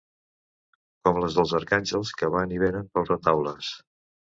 ...com les dels arcàngels que van i vénen pels retaules